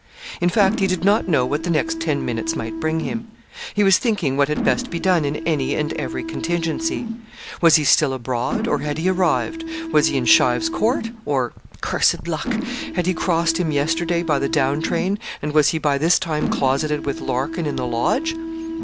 In fact he did not know what the next ten minutes might bring him. He was thinking what had best be done in any and every contingency. Was he still abroad, or had he arrived? was he in Shive's Court, or, cursed luck! had he crossed him yesterday by the down train, and was he by this time closeted with Larkin in the Lodge?